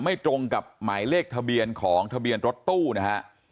ตรงกับหมายเลขทะเบียนของทะเบียนรถตู้นะฮะ